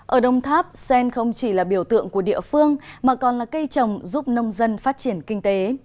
ở đồng tháp sen không chỉ là biểu tượng của địa phương mà còn là cây trồng giúp nông dân phát triển kinh tế